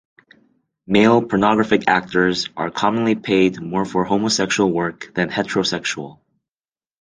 Male pornographic actors are commonly paid more for homosexual work than heterosexual.